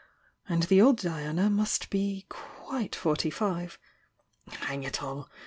And the old Diana must be quite forty five! Hang it all!